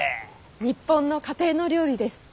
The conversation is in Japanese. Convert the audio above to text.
日本の家庭の料理です！